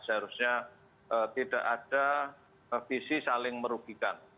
seharusnya tidak ada visi saling merugikan